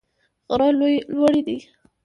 غره لوړي دي.